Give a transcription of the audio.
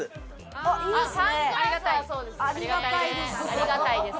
ありがたいです。